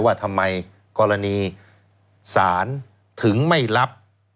ว่าทำไมกรณีศาลถึงไม่รับ